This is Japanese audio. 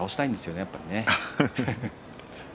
やっぱりね。